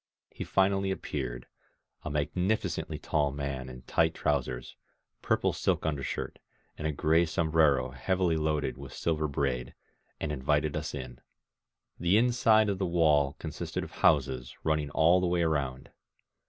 He finally appeared, a magnificently tall man in tight trousers, purple silk undershirt, and a gray sombrero heavily loaded with 16 INSURGENT MEXICO sHver braid ; and invited us in. The inside of the wall consisted of houses, running all the way around.